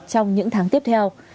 trong những tháng tiếp theo